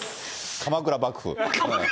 鎌倉幕府。